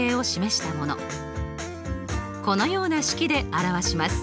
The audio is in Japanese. このような式で表します。